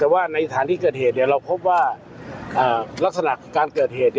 แต่ว่าในสถานที่เกิดเหตุเราพบว่าลักษณะการเกิดเหตุ